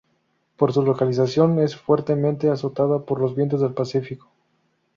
Por su localización, es fuertemente azotada por los vientos del Pacífico.